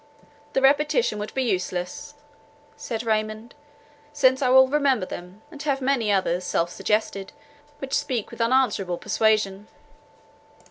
"The repetition would be useless," said Raymond, "since I well remember them, and have many others, self suggested, which speak with unanswerable persuasion."